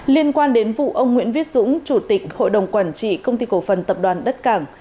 liên quan đến vụ ông nguyễn viết dũng chủ tịch hội đồng quản trị công ty cổ phần tập đoàn đất cảng